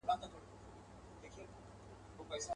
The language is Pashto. نه توره د ایمل سته، نه هی، هی د خوشحال خان.